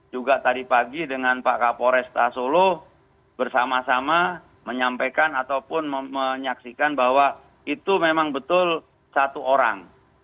juga tadi pagi dengan pak kapolresta solo bersama sama menyampaikan ataupun menyaksikan bahwa itu memang betul satu orang